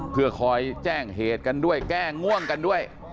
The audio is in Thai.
เพื่อคอยแจ้งเหตุกันด้วยแก้ง่วงกันด้วย